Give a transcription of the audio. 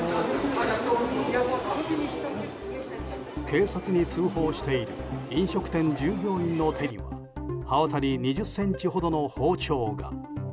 警察に通報している飲食店従業員の手には刃渡り２０ｃｍほどの包丁が。